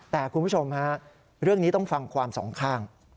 แต่คุณผู้ชมฮะเรื่องนี้ต้องฟังความสองข้าง